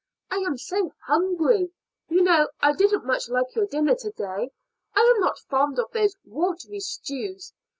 I am so hungry. You know I didn't much like your dinner to day. I am not fond of those watery stews.